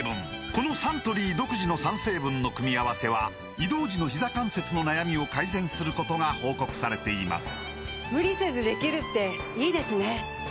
このサントリー独自の３成分の組み合わせは移動時のひざ関節の悩みを改善することが報告されています